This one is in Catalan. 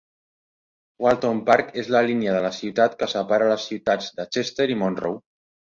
Walton Park és a la línia de la ciutat que separa les ciutats de Chester i Monroe.